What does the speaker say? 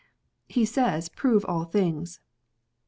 he says, " Prove all things."